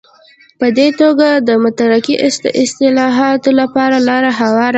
ده په دې توګه د مترقي اصلاحاتو لپاره لاره هواره کړه.